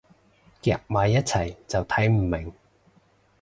夾埋一齊就睇唔明